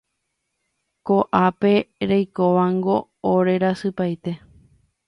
Ko'ápe roikóvango orerasypaite.